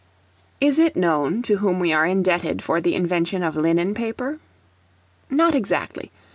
] Is it known to whom we are indebted for the invention of Linen Paper? Not exactly.